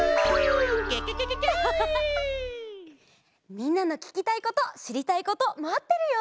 みんなのききたいことしりたいことまってるよ！